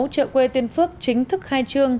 trợ quê tiên phước chính thức khai trương